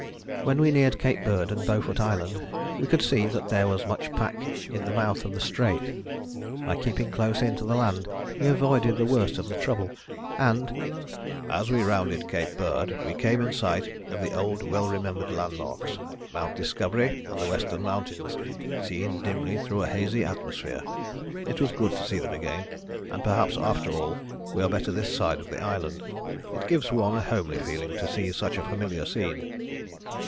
When we neared Cape Bird and Beaufort Island we could see that there was much pack in the mouth of the Strait. By keeping close in to the land we avoided the worst of the trouble, and "as we rounded Cape Bird we came in sight of the old well remembered landmarks Mount Discovery and the Western Mountains seen dimly through a hazy atmosphere. It was good to see them again, and perhaps after all we are better this side of the Island. It gives one a homely feeling to see such a familiar scene."